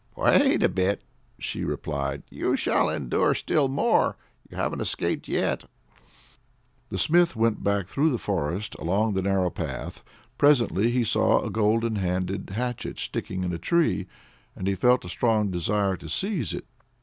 "Wait a bit!" she replied; "you shall endure still more. You haven't escaped yet!" The Smith went back through the forest along the narrow path. Presently he saw a golden handled hatchet sticking in a tree, and he felt a strong desire to seize it.